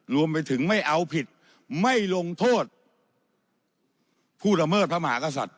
รวมไปถึงไม่เอาผิดไม่ลงโทษผู้ละเมิดพระมหากษัตริย